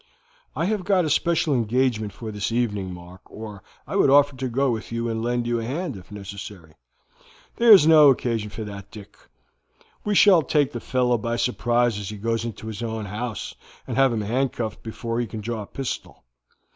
"I have got a special engagement for this evening, Mark, or I would offer to go with you and lend you a hand, if necessary." "There is no occasion for that, Dick. We shall take the fellow by surprise as he goes into his own house, and have him handcuffed before he can draw a pistol.